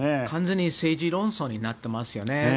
完全に政治論争になっていますよね。